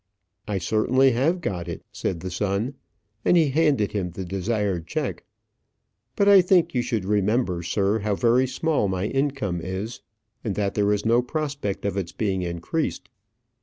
"I certainly have got it," said the son and he handed him the desired check; "but I think you should remember, sir, how very small my income is, and that there is no prospect of its being increased."